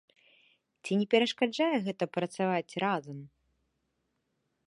Ці не перашкаджае гэта працаваць разам?